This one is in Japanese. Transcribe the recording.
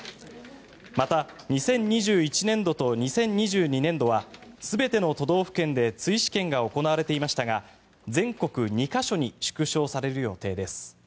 また２０２１年度と２０２２年度は全ての都道府県で追試験が行われていましたが全国２か所に縮小される予定です。